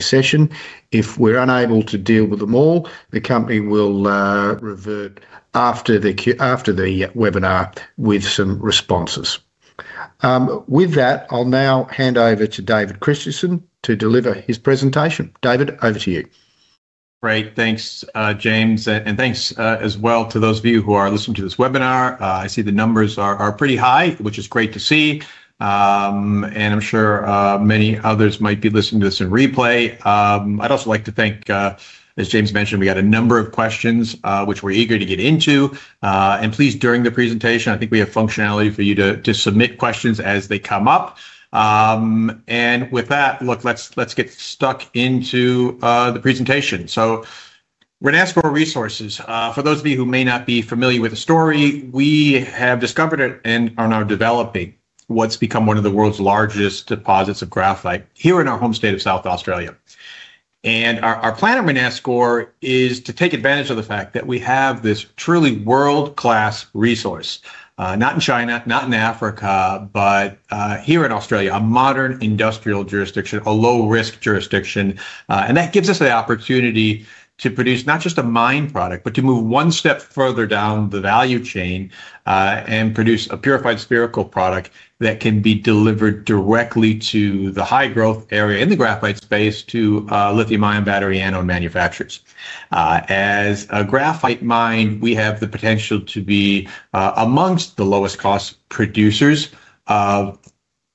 Session. If we're unable to deal with them all, the company will revert after the webinar with some responses. With that, I'll now hand over to David Christensen to deliver his presentation. David, over to you. Great. Thanks, James. And thanks as well to those of you who are listening to this webinar. I see the numbers are pretty high, which is great to see. I'm sure many others might be listening to this in replay. I'd also like to thank. As James mentioned, we got a number of questions which we're eager to get into. Please, during the presentation, I think we have functionality for you to submit questions as they come up. With that, look, let's get stuck into the presentation. Renascor Resources, for those of you who may not be familiar with the story, we have discovered and are now developing what's become one of the world's largest deposits of graphite here in our home state of South Australia. Our plan at Renascor is to take advantage of the fact that we have this truly world-class resource, not in China, not in Africa, but here in Australia, a modern industrial jurisdiction, a low-risk jurisdiction. That gives us the opportunity to produce not just a mine product, but to move one step further down the value chain and produce a purified spherical product that can be delivered directly to the high-growth area in the graphite space to lithium-ion battery and/or manufacturers. As a graphite mine, we have the potential to be amongst the lowest-cost producers of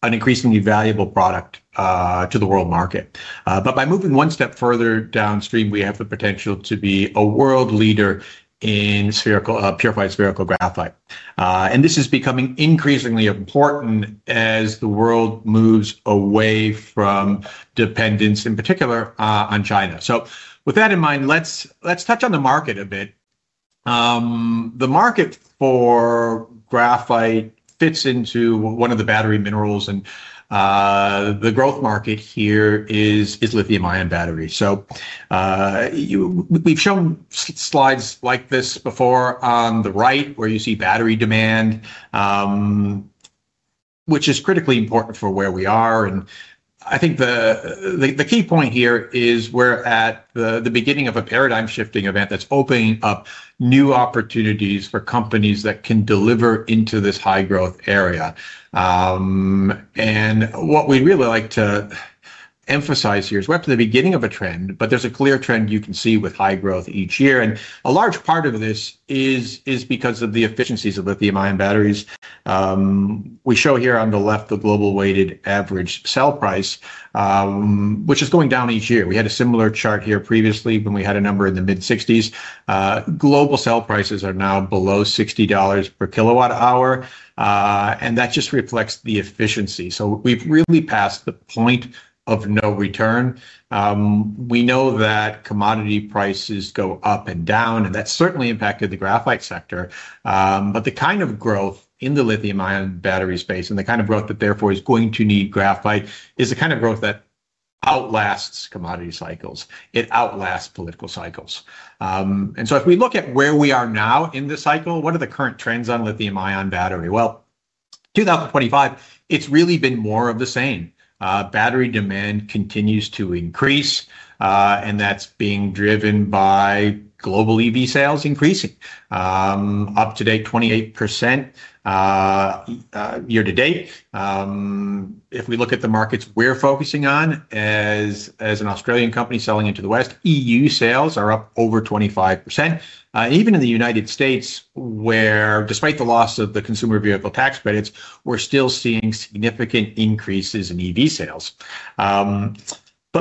an increasingly valuable product to the world market. By moving one step further downstream, we have the potential to be a world leader in purified spherical graphite. This is becoming increasingly important as the world moves away from dependence, in particular, on China. With that in mind, let's touch on the market a bit. The market for graphite fits into one of the battery minerals, and the growth market here is lithium-ion batteries. We've shown slides like this before on the right where you see battery demand, which is critically important for where we are. I think the key point here is we're at the beginning of a paradigm-shifting event that's opening up new opportunities for companies that can deliver into this high-growth area. What we'd really like to emphasize here is we're at the beginning of a trend, but there's a clear trend you can see with high growth each year. A large part of this is because of the efficiencies of lithium-ion batteries. We show here on the left the global weighted average cell price, which is going down each year. We had a similar chart here previously when we had a number in the mid-60s. Global cell prices are now below $60 per kilowatt-hour. That just reflects the efficiency. We have really passed the point of no return. We know that commodity prices go up and down, and that has certainly impacted the graphite sector. The kind of growth in the lithium-ion battery space and the kind of growth that therefore is going to need graphite is the kind of growth that outlasts commodity cycles. It outlasts political cycles. If we look at where we are now in the cycle, what are the current trends on lithium-ion battery? 2025, it has really been more of the same. Battery demand continues to increase, and that is being driven by global EV sales increasing. Up to date, 28%. Year to date. If we look at the markets we're focusing on as an Australian company selling into the West, EU sales are up over 25%. Even in the United States, where despite the loss of the consumer vehicle tax credits, we're still seeing significant increases in EV sales.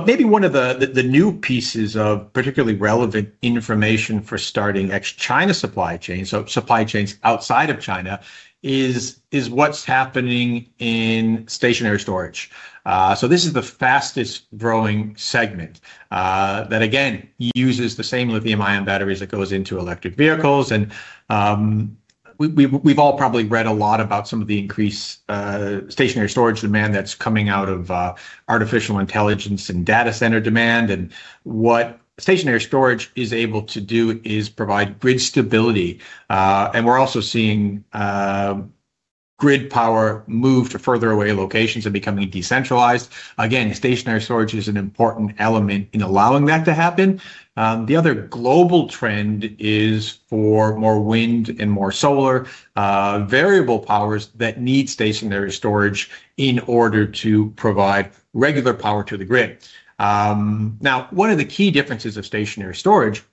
Maybe one of the new pieces of particularly relevant information for starting ex-China supply chains, so supply chains outside of China, is what's happening in stationary storage. This is the fastest-growing segment. That, again, uses the same lithium-ion batteries that go into electric vehicles. We've all probably read a lot about some of the increased stationary storage demand that's coming out of artificial intelligence and data center demand. What stationary storage is able to do is provide grid stability. We're also seeing grid power move to further away locations and becoming decentralized. Again, stationary storage is an important element in allowing that to happen. The other global trend is for more wind and more solar. Variable powers that need stationary storage in order to provide regular power to the grid. Now, one of the key differences of stationary storage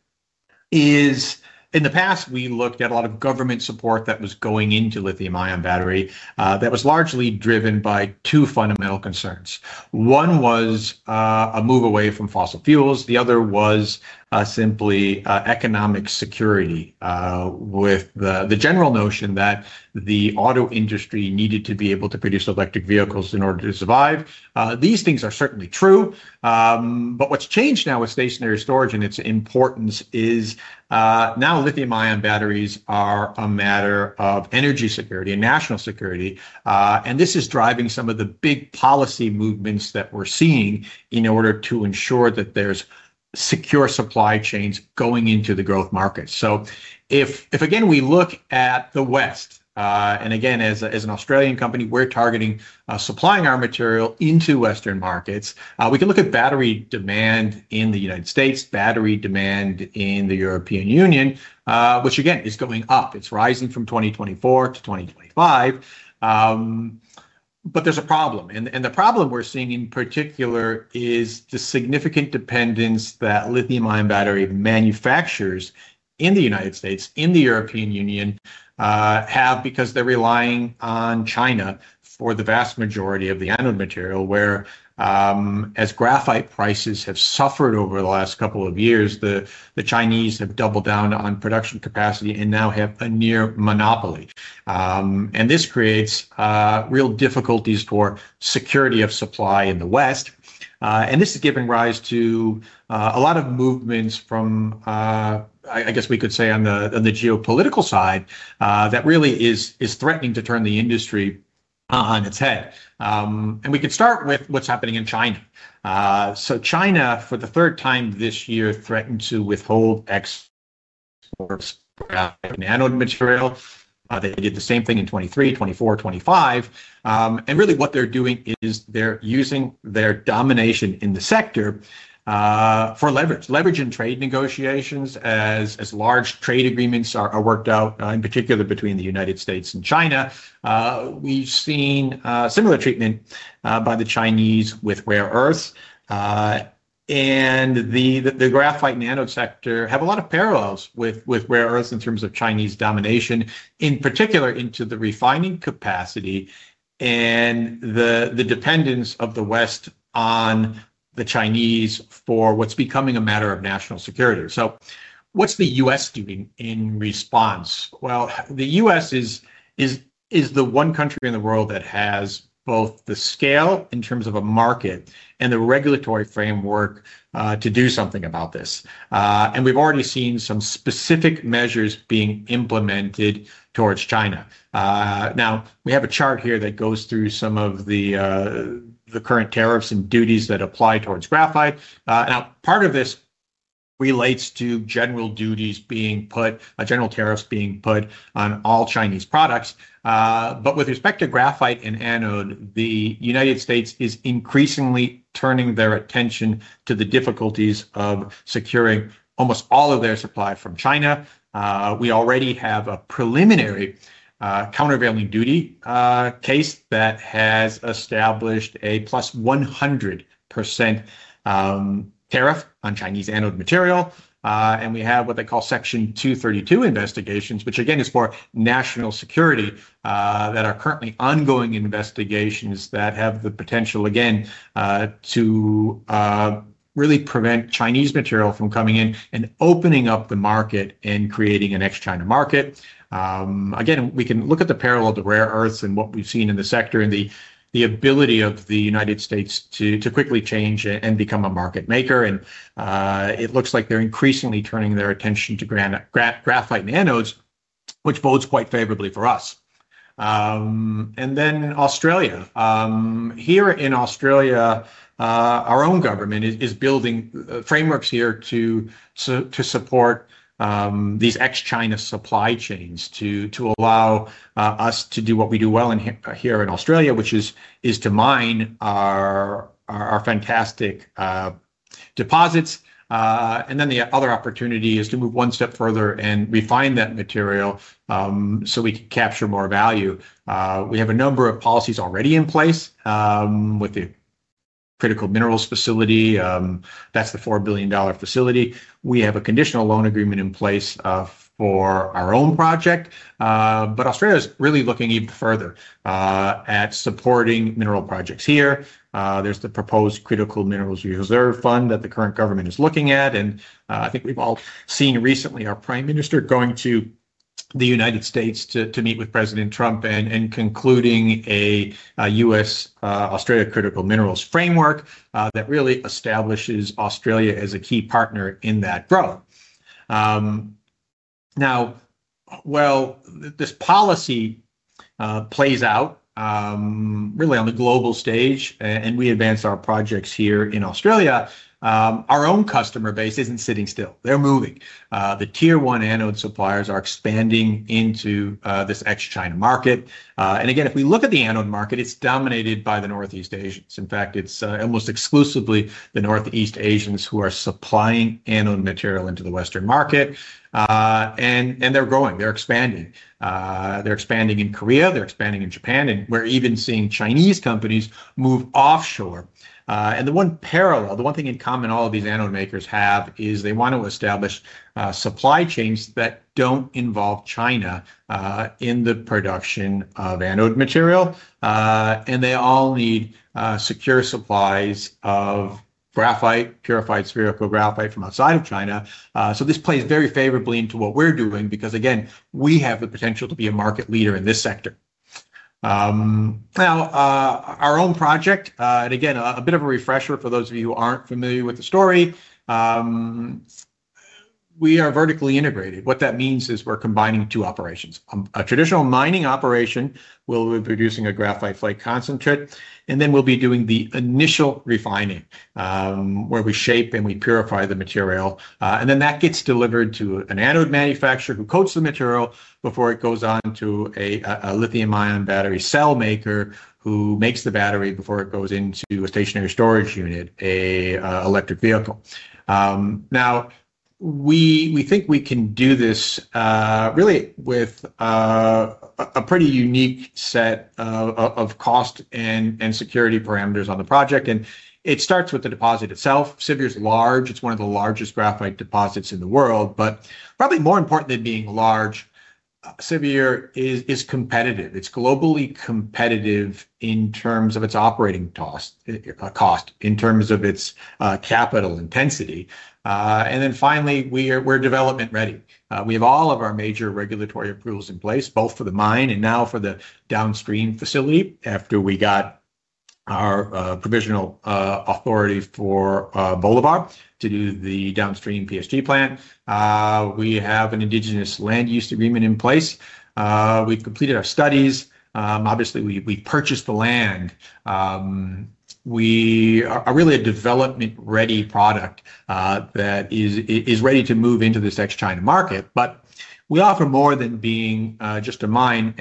is, in the past, we looked at a lot of government support that was going into lithium-ion battery that was largely driven by two fundamental concerns. One was a move away from fossil fuels. The other was simply economic security with the general notion that the auto industry needed to be able to produce electric vehicles in order to survive. These things are certainly true. What's changed now with stationary storage and its importance is now lithium-ion batteries are a matter of energy security and national security. This is driving some of the big policy movements that we're seeing in order to ensure that there's secure supply chains going into the growth market. If, again, we look at the West, and again, as an Australian company, we're targeting supplying our material into Western markets. We can look at battery demand in the United States, battery demand in the European Union, which, again, is going up. It's rising from 2024 to 2025. There is a problem. The problem we're seeing in particular is the significant dependence that lithium-ion battery manufacturers in the United States, in the European Union, have because they're relying on China for the vast majority of the anode material, where, as graphite prices have suffered over the last couple of years, the Chinese have doubled down on production capacity and now have a near monopoly. This creates real difficulties for security of supply in the West. This has given rise to a lot of movements from, I guess we could say, on the geopolitical side that really is threatening to turn the industry on its head. We can start with what is happening in China. China, for the third time this year, threatened to withhold exports of anode material. They did the same thing in 2023, 2024, 2025. What they are doing is they are using their domination in the sector for leverage, leverage in trade negotiations as large trade agreements are worked out, in particular between the United States and China. We have seen similar treatment by the Chinese with rare earths. The graphite anode sector has a lot of parallels with rare earths in terms of Chinese domination, in particular into the refining capacity and the dependence of the West on the Chinese for what's becoming a matter of national security. What's the U.S. doing in response? The U.S. is the one country in the world that has both the scale in terms of a market and the regulatory framework to do something about this. We've already seen some specific measures being implemented towards China. We have a chart here that goes through some of the current tariffs and duties that apply towards graphite. Part of this relates to general duties being put, general tariffs being put on all Chinese products. With respect to graphite and anode, the United States is increasingly turning their attention to the difficulties of securing almost all of their supply from China. We already have a preliminary countervailing duty case that has established a plus 100% tariff on Chinese anode material. We have what they call Section 232 investigations, which, again, is for national security, that are currently ongoing investigations that have the potential, again, to really prevent Chinese material from coming in and opening up the market and creating an ex-China market. We can look at the parallel to rare earths and what we've seen in the sector and the ability of the United States to quickly change and become a market maker. It looks like they're increasingly turning their attention to graphite and anodes, which bodes quite favorably for us. Here in Australia. Our own government is building frameworks here to support these ex-China supply chains to allow us to do what we do well here in Australia, which is to mine our fantastic deposits. The other opportunity is to move one step further and refine that material so we can capture more value. We have a number of policies already in place with the Critical Minerals Facility. That's the $4 billion facility. We have a conditional loan agreement in place for our own project. Australia is really looking even further at supporting mineral projects here. There's the proposed Critical Minerals Reserve Fund that the current government is looking at. I think we've all seen recently our Prime Minister going to the United States to meet with President Trump and concluding a U.S.-Australia Critical Minerals framework that really establishes Australia as a key partner in that growth. Now. While this policy plays out really on the global stage and we advance our projects here in Australia, our own customer base isn't sitting still. They're moving. The tier one anode suppliers are expanding into this ex-China market. If we look at the anode market, it's dominated by the Northeast Asians. In fact, it's almost exclusively the Northeast Asians who are supplying anode material into the Western market. They're growing. They're expanding. They're expanding in Korea. They're expanding in Japan. We're even seeing Chinese companies move offshore. The one parallel, the one thing in common all of these anode makers have is they want to establish supply chains that don't involve China in the production of anode material. They all need secure supplies of graphite, purified spherical graphite from outside of China. This plays very favorably into what we're doing because, again, we have the potential to be a market leader in this sector. Now, our own project, and again, a bit of a refresher for those of you who aren't familiar with the story. We are vertically integrated. What that means is we're combining two operations. A traditional mining operation will be producing a graphite flake concentrate, and then we'll be doing the initial refining, where we shape and we purify the material. Then that gets delivered to an anode manufacturer who coats the material before it goes on to a lithium-ion battery cell maker who makes the battery before it goes into a stationary storage unit, an electric vehicle. Now, we think we can do this really with a pretty unique set of cost and security parameters on the project. It starts with the deposit itself. Siviour is large. It's one of the largest graphite deposits in the world. Probably more important than being large, Siviour is competitive. It's globally competitive in terms of its operating cost, in terms of its capital intensity. Finally, we're development-ready. We have all of our major regulatory approvals in place, both for the mine and now for the downstream facility. After we got our provisional authority for Bolivar to do the downstream PSG plant, we have an Indigenous Land Use Agreement in place. We've completed our studies. Obviously, we purchased the land. We are really a development-ready project that is ready to move into this ex-China market. We offer more than being just a mine.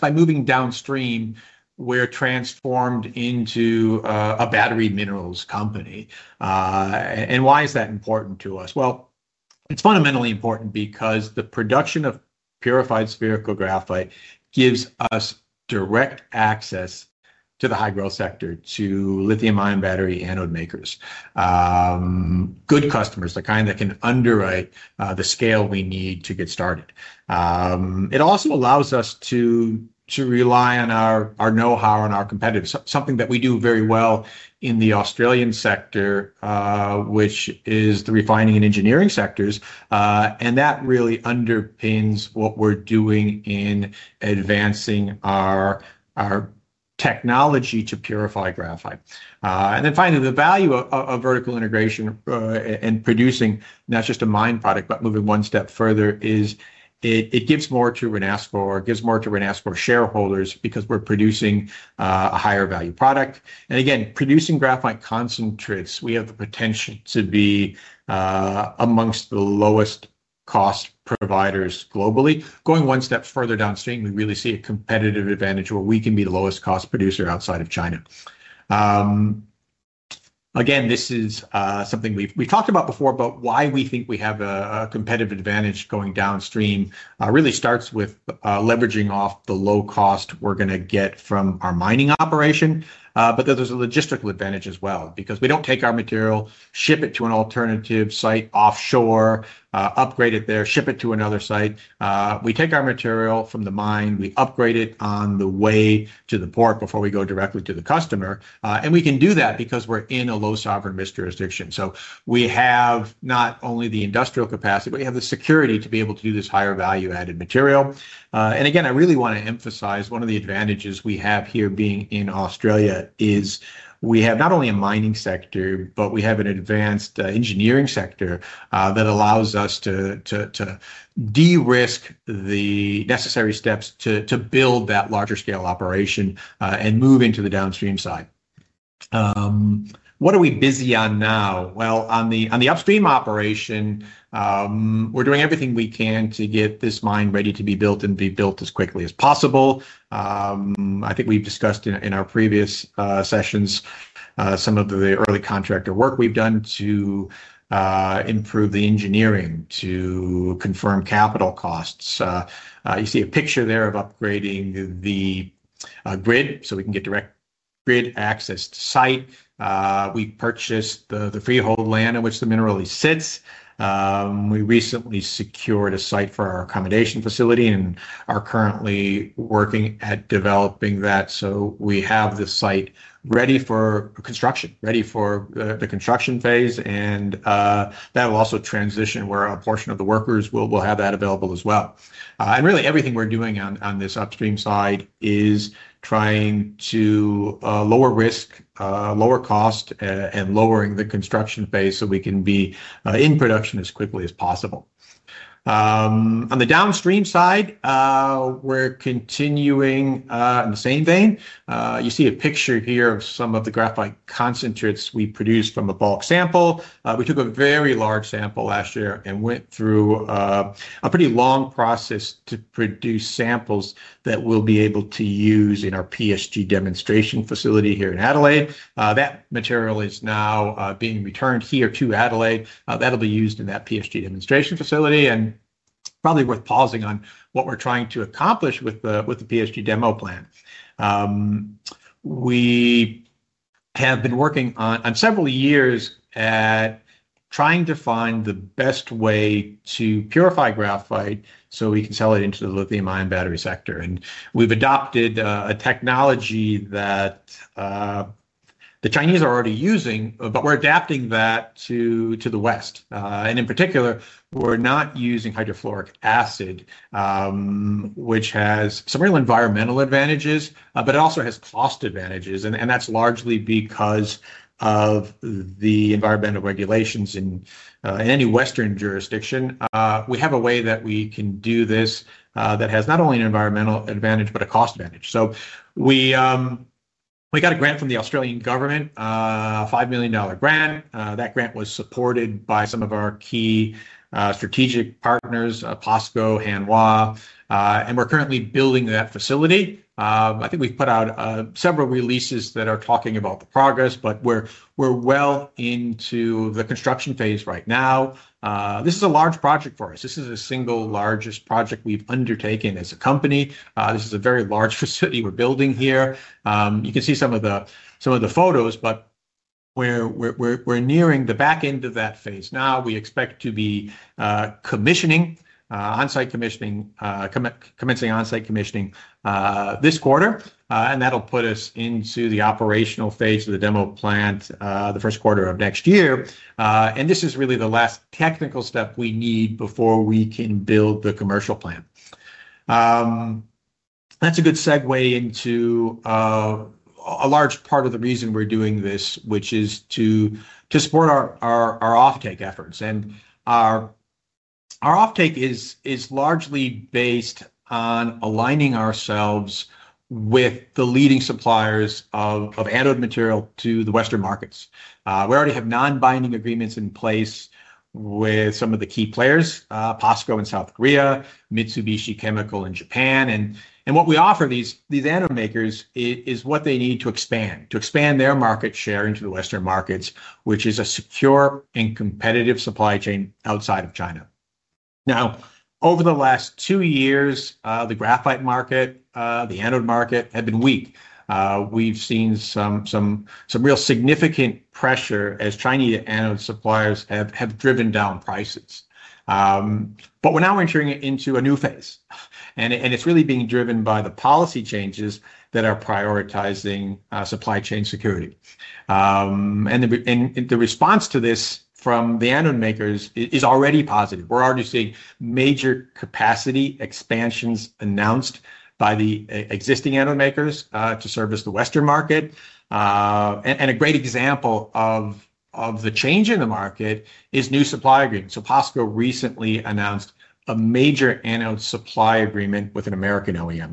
By moving downstream, we're transformed into a battery minerals company. Why is that important to us? It is fundamentally important because the production of purified spherical graphite gives us direct access to the high-growth sector, to lithium-ion battery anode makers. Good customers, the kind that can underwrite the scale we need to get started. It also allows us to rely on our know-how and our competitors, something that we do very well in the Australian sector, which is the refining and engineering sectors. That really underpins what we are doing in advancing our technology to purify graphite. Finally, the value of vertical integration and producing not just a mine product, but moving one step further is it gives more to Renascor, gives more to Renascor shareholders because we are producing a higher-value product. Again, producing graphite concentrates, we have the potential to be amongst the lowest-cost providers globally. Going one step further downstream, we really see a competitive advantage where we can be the lowest-cost producer outside of China. Again, this is something we've talked about before, but why we think we have a competitive advantage going downstream really starts with leveraging off the low cost we're going to get from our mining operation. There is a logistical advantage as well because we don't take our material, ship it to an alternative site offshore, upgrade it there, ship it to another site. We take our material from the mine, we upgrade it on the way to the port before we go directly to the customer. We can do that because we're in a low sovereign jurisdiction. We have not only the industrial capacity, but we have the security to be able to do this higher-value-added material. I really want to emphasize one of the advantages we have here being in Australia is we have not only a mining sector, but we have an advanced engineering sector that allows us to derisk the necessary steps to build that larger-scale operation and move into the downstream side. What are we busy on now? On the upstream operation, we're doing everything we can to get this mine ready to be built and be built as quickly as possible. I think we've discussed in our previous sessions some of the early contractor work we've done to improve the engineering, to confirm capital costs. You see a picture there of upgrading the grid so we can get direct grid access to site. We purchased the freehold land in which the mineral sits. We recently secured a site for our accommodation facility and are currently working at developing that. We have the site ready for construction, ready for the construction phase. That will also transition where a portion of the workers will have that available as well. Really, everything we're doing on this upstream side is trying to lower risk, lower cost, and lowering the construction phase so we can be in production as quickly as possible. On the downstream side, we're continuing in the same vein. You see a picture here of some of the graphite concentrates we produced from a bulk sample. We took a very large sample last year and went through a pretty long process to produce samples that we'll be able to use in our PSG demonstration facility here in Adelaide. That material is now being returned here to Adelaide. That'll be used in that PSG demonstration facility. Probably worth pausing on what we're trying to accomplish with the PSG demo plant. We have been working on several years at trying to find the best way to purify graphite so we can sell it into the lithium-ion battery sector. We've adopted a technology that the Chinese are already using, but we're adapting that to the West. In particular, we're not using hydrofluoric acid, which has some real environmental advantages, but it also has cost advantages. That's largely because of the environmental regulations in any Western jurisdiction. We have a way that we can do this that has not only an environmental advantage, but a cost advantage. We got a grant from the Australian government, a 5 million dollar grant. That grant was supported by some of our key strategic partners, POSCO, Hanwha. We're currently building that facility. I think we've put out several releases that are talking about the progress, but we're well into the construction phase right now. This is a large project for us. This is the single largest project we've undertaken as a company. This is a very large facility we're building here. You can see some of the photos, but we're nearing the back end of that phase now. We expect to be commissioning, commencing on-site commissioning this quarter. That'll put us into the operational phase of the demo plant the first quarter of next year. This is really the last technical step we need before we can build the commercial plant. That's a good segue into a large part of the reason we're doing this, which is to support our offtake efforts. And our. Offtake is largely based on aligning ourselves with the leading suppliers of anode material to the Western markets. We already have non-binding agreements in place with some of the key players, POSCO in South Korea, Mitsubishi Chemical in Japan. What we offer these anode makers is what they need to expand, to expand their market share into the Western markets, which is a secure and competitive supply chain outside of China. Over the last two years, the graphite market, the anode market, had been weak. We've seen some real significant pressure as Chinese anode suppliers have driven down prices. We are now entering into a new phase. It is really being driven by the policy changes that are prioritizing supply chain security. The response to this from the anode makers is already positive. We're already seeing major capacity expansions announced by the existing anode makers to service the Western market. A great example of the change in the market is new supply agreements. POSCO recently announced a major anode supply agreement with an American OEM.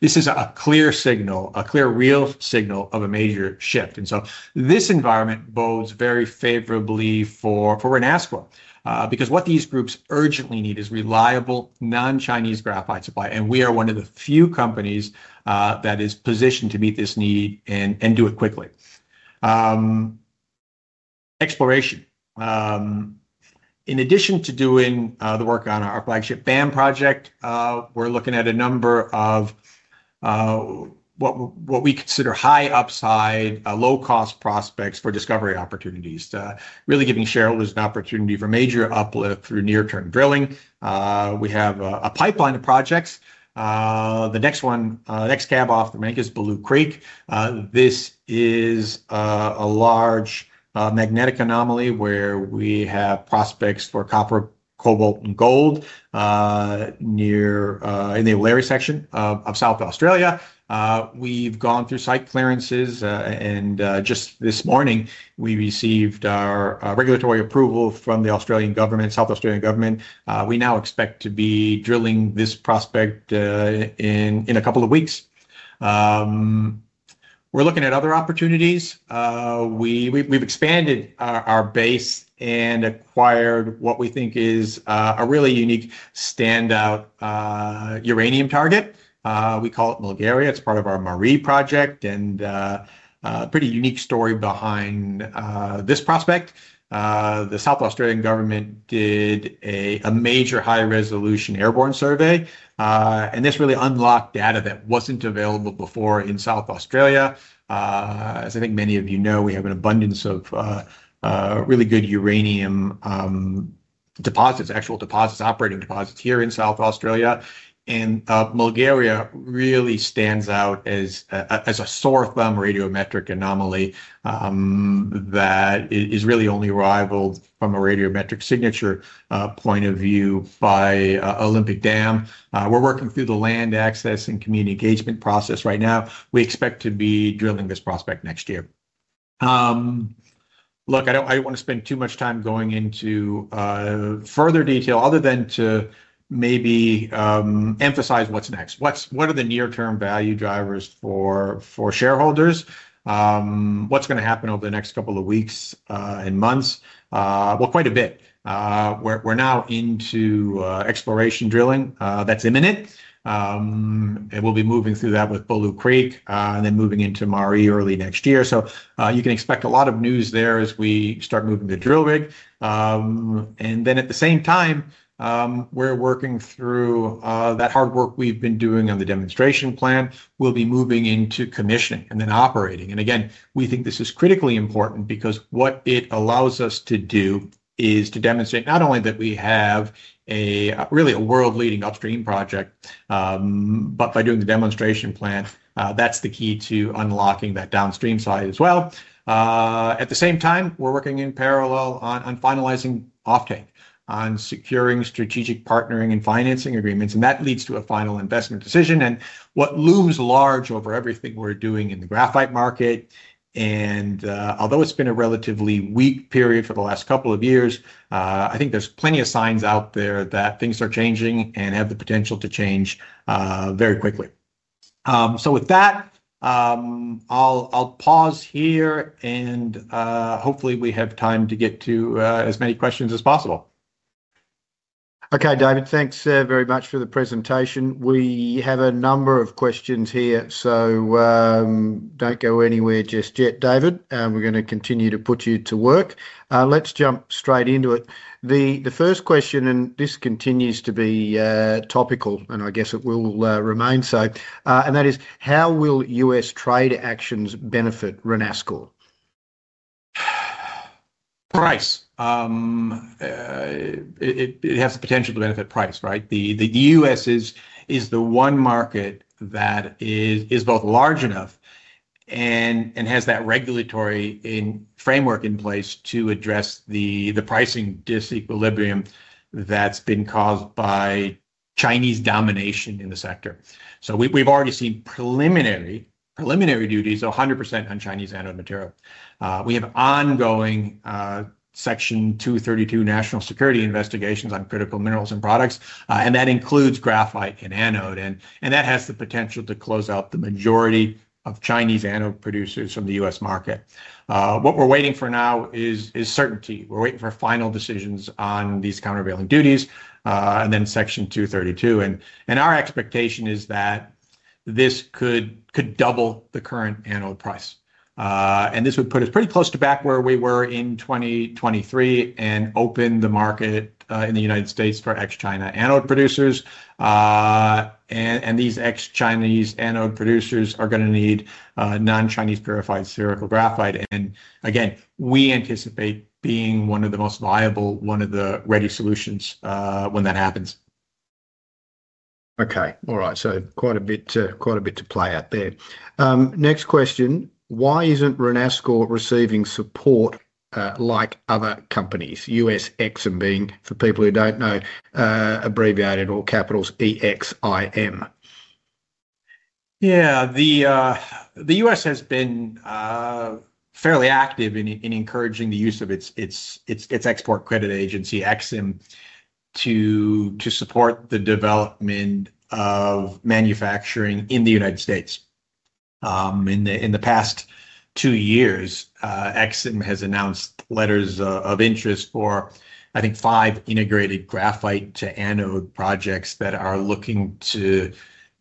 This is a clear signal, a clear real signal of a major shift. This environment bodes very favorably for Renascor. What these groups urgently need is reliable, non-Chinese graphite supply. We are one of the few companies that is positioned to meet this need and do it quickly. Exploration. In addition to doing the work on our flagship BAM project, we're looking at a number of what we consider high upside, low-cost prospects for discovery opportunities. Really giving shareholders an opportunity for major uplift through near-term drilling. We have a pipeline of projects. The next cab off the bank is Bulloo Creek. This is a large magnetic anomaly where we have prospects for copper, cobalt, and gold near in the Olary section of South Australia. We've gone through site clearances. Just this morning, we received our regulatory approval from the Australian government, South Australian government. We now expect to be drilling this prospect in a couple of weeks. We're looking at other opportunities. We've expanded our base and acquired what we think is a really unique standout uranium target. We call it Mulgaria. It's part of our Marree project. A pretty unique story behind this prospect. The South Australian government did a major high-resolution airborne survey. This really unlocked data that wasn't available before in South Australia. As I think many of you know, we have an abundance of really good uranium. Deposits, actual deposits, operating deposits here in South Australia. And Mulgaria really stands out as a sore thumb radiometric anomaly. That is really only rivaled from a radiometric signature point of view by Olympic Dam. We're working through the land access and community engagement process right now. We expect to be drilling this prospect next year. Look, I don't want to spend too much time going into further detail other than to maybe emphasize what's next. What are the near-term value drivers for shareholders? What's going to happen over the next couple of weeks and months? Quite a bit. We're now into exploration drilling. That's imminent. We'll be moving through that with Bulloo Creek and then moving into Marree early next year. You can expect a lot of news there as we start moving the drill rig. At the same time, we're working through. That hard work we've been doing on the demonstration plan. We'll be moving into commissioning and then operating. We think this is critically important because what it allows us to do is to demonstrate not only that we have really a world-leading upstream project, but by doing the demonstration plan, that's the key to unlocking that downstream side as well. At the same time, we're working in parallel on finalizing offtake, on securing strategic partnering and financing agreements. That leads to a final investment decision. What looms large over everything we're doing in the graphite market. Although it's been a relatively weak period for the last couple of years, I think there's plenty of signs out there that things are changing and have the potential to change very quickly. With that. I'll pause here, and hopefully, we have time to get to as many questions as possible. Okay, David, thanks very much for the presentation. We have a number of questions here, so. Don't go anywhere just yet, David. We're going to continue to put you to work. Let's jump straight into it. The first question, and this continues to be topical, and I guess it will remain so, and that is, how will U.S. trade actions benefit Renascor? Price. It has the potential to benefit price, right? The U.S. is the one market that is both large enough. And has that regulatory framework in place to address the pricing disequilibrium that's been caused by. Chinese domination in the sector. We've already seen preliminary. Duties of 100% on Chinese anode material. We have ongoing. Section 232 national security investigations on critical minerals and products. And that includes graphite and anode. That has the potential to close out the majority of Chinese anode producers from the U.S. market. What we're waiting for now is certainty. We're waiting for final decisions on these countervailing duties and then Section 232. Our expectation is that this could double the current anode price. This would put us pretty close to back where we were in 2023 and open the market in the United States for ex-China anode producers. These ex-Chinese anode producers are going to need non-Chinese purified spherical graphite. Again, we anticipate being one of the most viable, one of the ready solutions when that happens. Okay. All right. Quite a bit to play out there. Next question, why isn't Renascor receiving support like other companies, U.S. Export-Import Bank being, for people who don't know, abbreviated or capitals EXIM? Yeah. The U.S. has been. Fairly active in encouraging the use of its export credit agency, U.S. Export-Import Bank (EXIM), to support the development of manufacturing in the United States. In the past two years, EXIM has announced letters of interest for, I think, five integrated graphite-to-anode projects that are looking to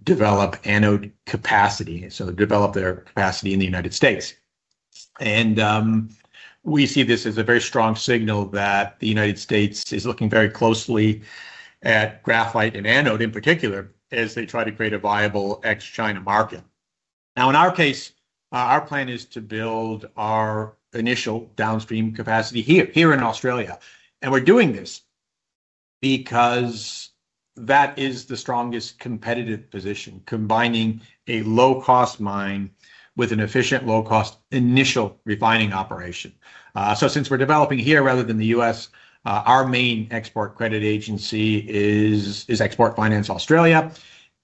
develop anode capacity, so develop their capacity in the United States. We see this as a very strong signal that the United States is looking very closely at graphite and anode in particular as they try to create a viable ex-China market. Now, in our case, our plan is to build our initial downstream capacity here in Australia. We are doing this because that is the strongest competitive position, combining a low-cost mine with an efficient, low-cost initial refining operation. Since we are developing here rather than the U.S., our main export credit agency is Export Finance Australia.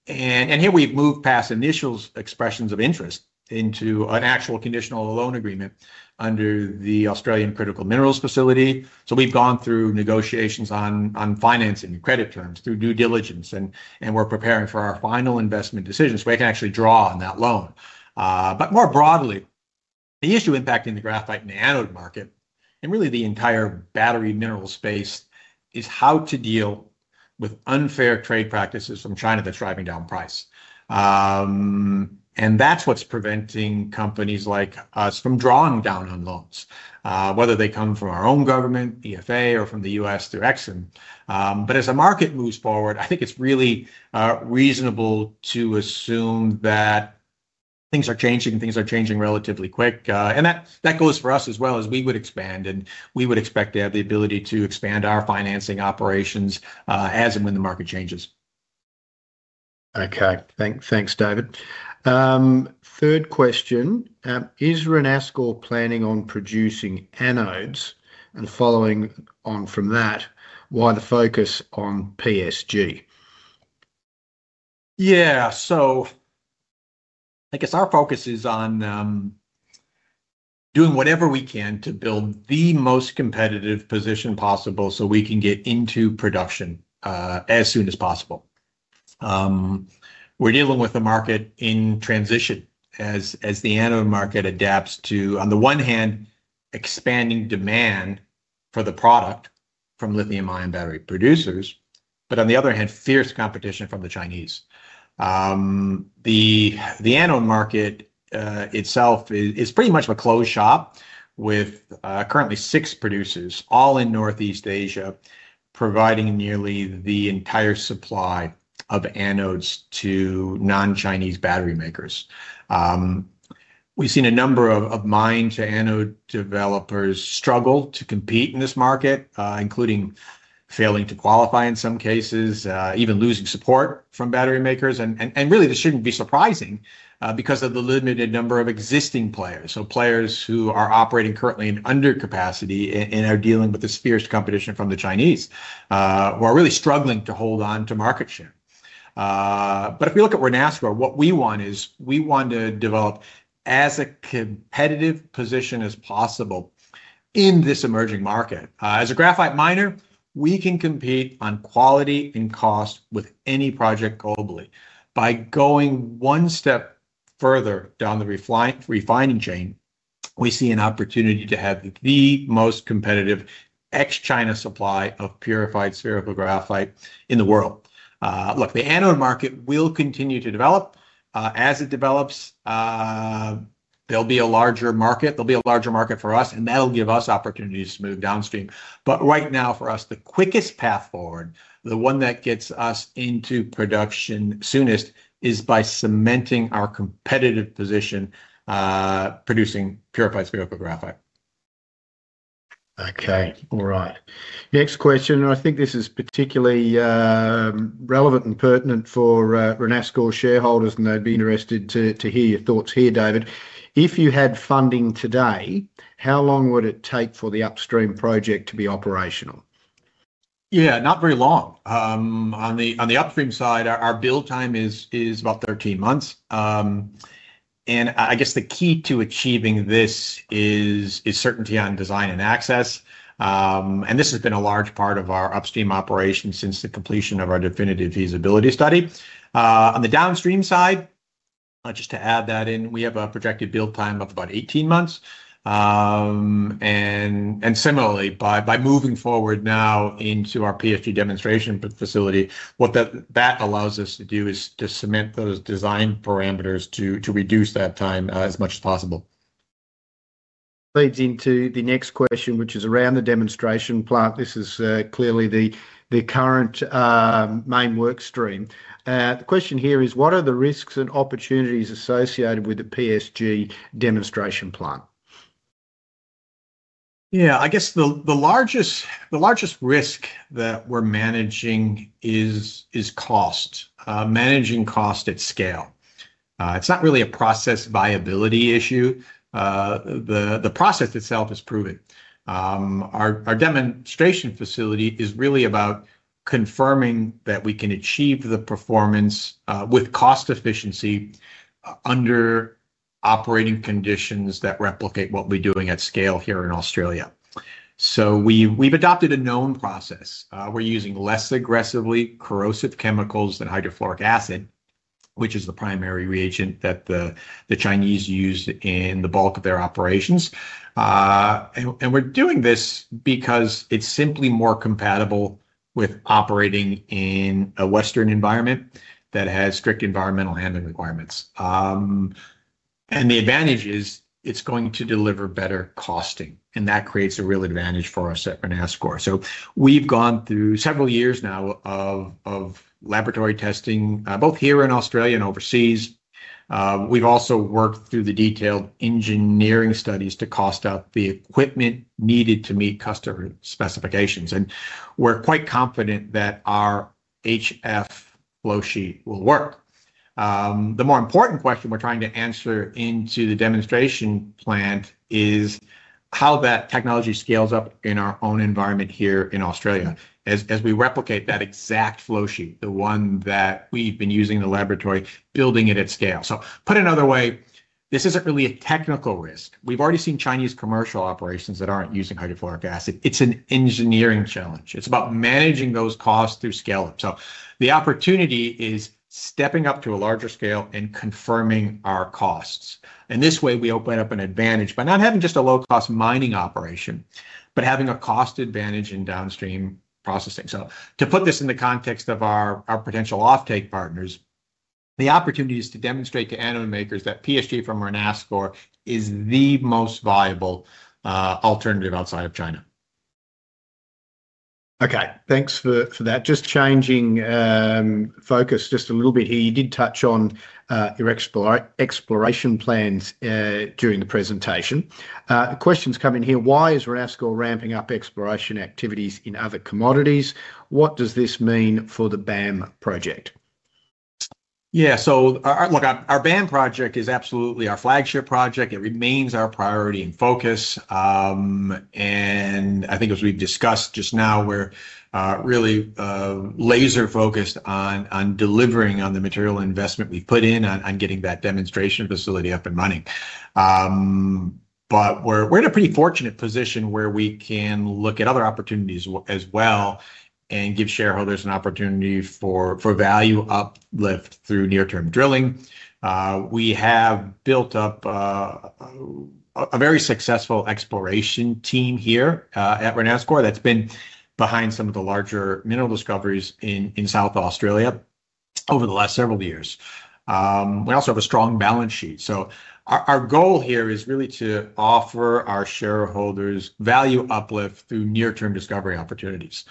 Here, we've moved past initial expressions of interest into an actual conditional loan agreement under the Australian Critical Minerals Facility. We've gone through negotiations on financing and credit terms through due diligence. We're preparing for our final investment decision so we can actually draw on that loan. More broadly, the issue impacting the graphite and the anode market, and really the entire battery mineral space, is how to deal with unfair trade practices from China that's driving down price. That's what's preventing companies like us from drawing down on loans, whether they come from our own government, EFA, or from the U.S. through Exim. As the market moves forward, I think it's really reasonable to assume that things are changing, things are changing relatively quick. That goes for us as well, as we would expand, and we would expect to have the ability to expand our financing operations as and when the market changes. Okay. Thanks, David. Third question, is Renascor planning on producing anodes? Following on from that, why the focus on PSG? Yeah. I guess our focus is on doing whatever we can to build the most competitive position possible so we can get into production as soon as possible. We are dealing with a market in transition as the anode market adapts to, on the one hand, expanding demand for the product from lithium-ion battery producers, but on the other hand, fierce competition from the Chinese. The anode market itself is pretty much a closed shop with currently six producers, all in Northeast Asia, providing nearly the entire supply of anodes to non-Chinese battery makers. We've seen a number of mine-to-anode developers struggle to compete in this market, including failing to qualify in some cases, even losing support from battery makers. Really, this shouldn't be surprising because of the limited number of existing players. Players who are operating currently in undercapacity and are dealing with this fierce competition from the Chinese, who are really struggling to hold on to market share. If we look at Renascor, what we want is we want to develop as a competitive position as possible in this emerging market. As a graphite miner, we can compete on quality and cost with any project globally. By going one step further down the refining chain, we see an opportunity to have the most competitive ex-China supply of purified spherical graphite in the world. Look, the anode market will continue to develop. As it develops, there'll be a larger market. There'll be a larger market for us, and that'll give us opportunities to move downstream. Right now, for us, the quickest path forward, the one that gets us into production soonest, is by cementing our competitive position. Producing purified spherical graphite. Okay. All right. Next question. I think this is particularly relevant and pertinent for Renascor shareholders, and they'd be interested to hear your thoughts here, David. If you had funding today, how long would it take for the upstream project to be operational? Yeah, not very long. On the upstream side, our build time is about 13 months. I guess the key to achieving this is certainty on design and access. This has been a large part of our upstream operation since the completion of our definitive feasibility study. On the downstream side, just to add that in, we have a projected build time of about 18 months. Similarly, by moving forward now into our PSG demonstration facility, what that allows us to do is to cement those design parameters to reduce that time as much as possible. This leads into the next question, which is around the demonstration plant. This is clearly the current main workstream. The question here is, what are the risks and opportunities associated with the PSG demonstration plant? Yeah. I guess the largest risk that we're managing is cost, managing cost at scale. It's not really a process viability issue. The process itself is proven. Our demonstration facility is really about confirming that we can achieve the performance with cost efficiency under operating conditions that replicate what we're doing at scale here in Australia. We have adopted a known process. We're using less aggressively corrosive chemicals than hydrofluoric acid, which is the primary reagent that the Chinese use in the bulk of their operations. We're doing this because it's simply more compatible with operating in a Western environment that has strict environmental handling requirements. The advantage is it's going to deliver better costing. That creates a real advantage for us at Renascor. We've gone through several years now of laboratory testing, both here in Australia and overseas. We've also worked through the detailed engineering studies to cost out the equipment needed to meet customer specifications. We're quite confident that our HF flowsheet will work. The more important question we're trying to answer into the demonstration plant is how that technology scales up in our own environment here in Australia as we replicate that exact flowsheet, the one that we've been using in the laboratory, building it at scale. Put another way, this isn't really a technical risk. We've already seen Chinese commercial operations that aren't using hydrofluoric acid. It's an engineering challenge. It's about managing those costs through scale-up. The opportunity is stepping up to a larger scale and confirming our costs. In this way, we open up an advantage by not having just a low-cost mining operation, but having a cost advantage in downstream processing. To put this in the context of our potential offtake partners, the opportunity is to demonstrate to anode makers that PSG from Renascor is the most viable alternative outside of China. Okay. Thanks for that. Just changing focus just a little bit here. You did touch on your exploration plans during the presentation. Questions come in here. Why is Renascor ramping up exploration activities in other commodities? What does this mean for the BAM project? Yeah. Look, our BAM project is absolutely our flagship project. It remains our priority and focus. I think, as we've discussed just now, we're really laser-focused on delivering on the material investment we've put in on getting that demonstration facility up and running. We are in a pretty fortunate position where we can look at other opportunities as well and give shareholders an opportunity for value uplift through near-term drilling. We have built up a very successful exploration team here at Renascor that's been behind some of the larger mineral discoveries in South Australia over the last several years. We also have a strong balance sheet. Our goal here is really to offer our shareholders value uplift through near-term discovery opportunities.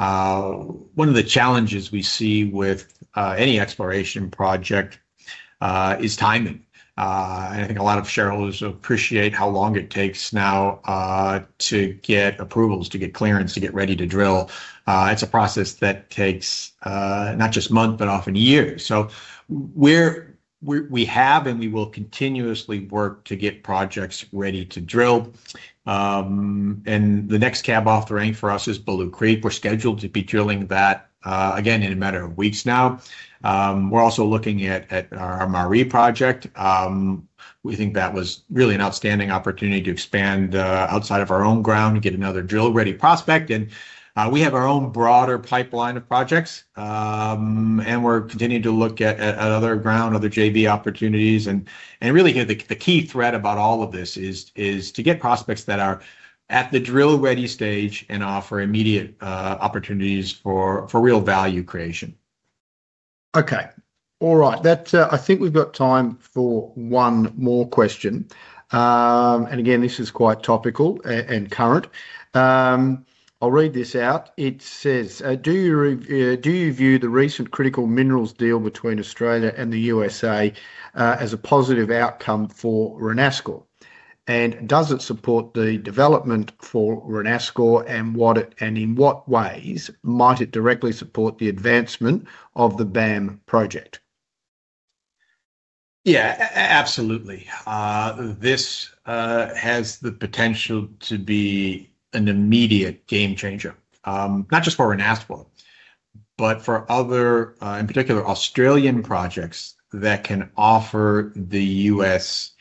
One of the challenges we see with any exploration project is timing. I think a lot of shareholders appreciate how long it takes now to get approvals, to get clearance, to get ready to drill. It is a process that takes not just months, but often years. We have, and we will continuously work to get projects ready to drill. The next cab off the rank for us is Bulloo Creek. We are scheduled to be drilling that again in a matter of weeks now. We are also looking at our Marree project. We think that is really an outstanding opportunity to expand outside of our own ground, get another drill-ready prospect. We have our own broader pipeline of projects, and we are continuing to look at other ground, other JV opportunities. Really, the key thread about all of this is to get prospects that are at the drill-ready stage and offer immediate opportunities for real value creation. Okay. All right. I think we've got time for one more question. Again, this is quite topical and current. I'll read this out. It says, "Do you view the recent critical minerals deal between Australia and the U.S.A. as a positive outcome for Renascor? And does it support the development for Renascor, and in what ways might it directly support the advancement of the BAM project?" Yeah, absolutely. This has the potential to be an immediate game changer, not just for Renascor, but for other, in particular, Australian projects that can offer the U.S.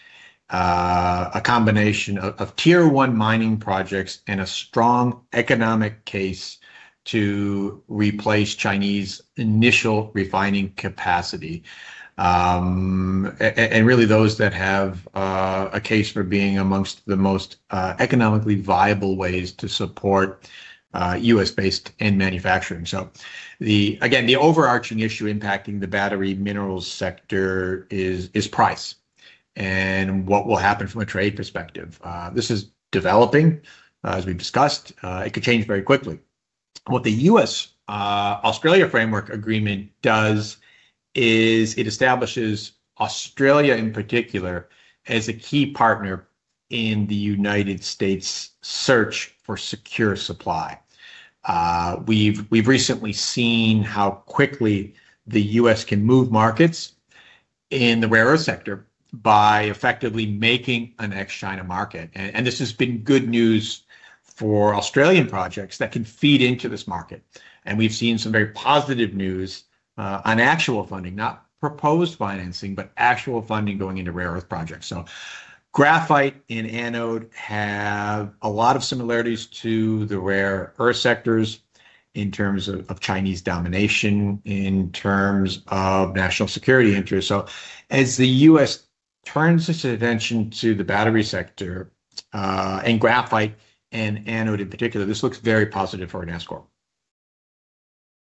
a combination of tier-one mining projects and a strong economic case to replace Chinese initial refining capacity. Really, those that have a case for being amongst the most economically viable ways to support U.S.-based end manufacturing. Again, the overarching issue impacting the battery minerals sector is price and what will happen from a trade perspective. This is developing, as we've discussed. It could change very quickly. What the U.S.-Australia Framework Agreement does is it establishes Australia in particular as a key partner in the United States' search for secure supply. We've recently seen how quickly the U.S. can move markets in the rare earth sector by effectively making an ex-China market. This has been good news for Australian projects that can feed into this market. We've seen some very positive news on actual funding, not proposed financing, but actual funding going into rare earth projects. Graphite and anode have a lot of similarities to the rare earth sectors in terms of Chinese domination, in terms of national security interests. As the U.S. turns its attention to the battery sector, and graphite and anode in particular, this looks very positive for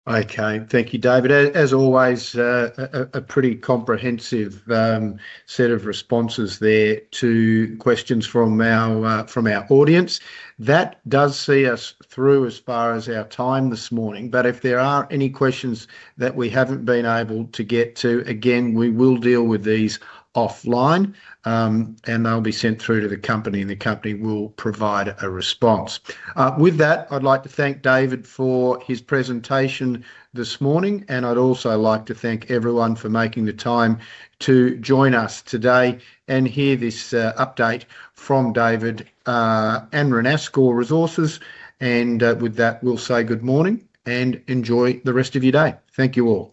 Renascor. Thank you, David, as always. A pretty comprehensive set of responses there to questions from our audience. That does see us through as far as our time this morning. If there are any questions that we have not been able to get to, again, we will deal with these offline. They will be sent through to the company, and the company will provide a response. With that, I would like to thank David for his presentation this morning. I would also like to thank everyone for making the time to join us today and hear this update from David and Renascor Resources. We will say good morning and enjoy the rest of your day. Thank you all.